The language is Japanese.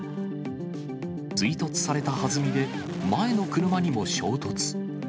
追突されたはずみで、前の車にも衝突。